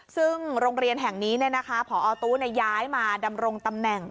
ซึ่งโรงเรียนแห่งนี้เนี่ยนะคะพอตุน่ะย้ายมาดำรงตำแหน่ง